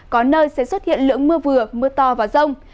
có nơi sẽ xuất hiện lượng mưa vừa mưa to và rông